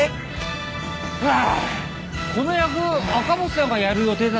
この役赤星さんがやる予定だったっけ？